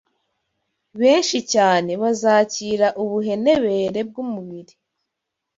benshi cyane bazakira ubuhenebere bw’umubiri